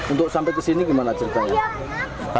untuk sampai ke sini gimana ceritanya